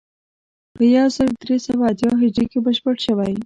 په یو زر درې سوه اتیا هجري کې بشپړ شوی.